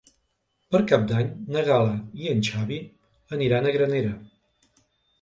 Per Cap d'Any na Gal·la i en Xavi aniran a Granera.